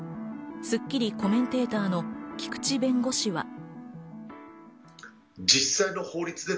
スッキリコメンテーターの菊地弁護士は。